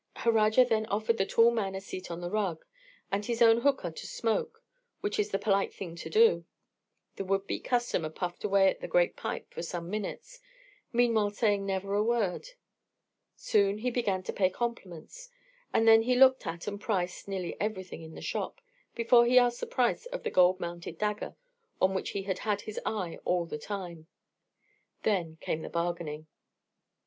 Harajar then offered the tall man a seat on the rug, and his own hookah to smoke, which is the polite thing to do. The would be customer puffed away at the great pipe for some minutes, meanwhile saying never a word. Soon he began to pay compliments; and then he looked at, and priced, nearly everything in the shop before he asked the price of the gold mounted dagger on which he had had his eye all the time. Then came the bargaining.